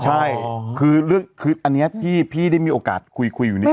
ใช่คืออันนี้พี่ได้มีโอกาสคุยอยู่นิดน